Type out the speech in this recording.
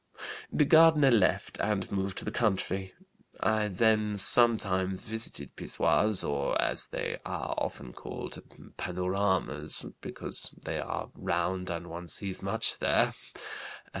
"The gardener left and moved to the country. I then sometimes visited pissoirs or, as they are often called, 'panoramas' (because they are round and one sees much there).